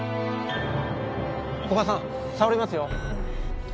古賀さん、触りますよ。